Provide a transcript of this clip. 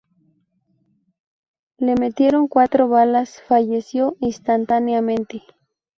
Le metieron cuatro balas, falleció instantáneamente.